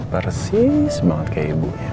persis banget kayak ibunya